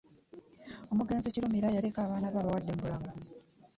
Omugenzi Kirumira yaleka abaana be abawadde mu bulamu.